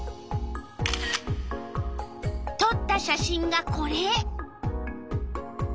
とった写真がこれ。